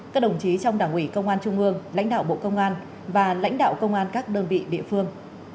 các đồng chí trong đảng ủy công an trung ương lãnh đạo bộ công an và lãnh đạo công an các đơn vị địa phương